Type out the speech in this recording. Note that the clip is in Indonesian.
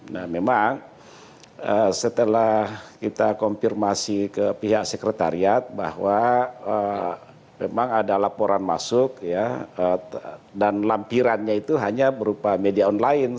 nah memang setelah kita konfirmasi ke pihak sekretariat bahwa memang ada laporan masuk ya dan lampirannya itu hanya berupa media online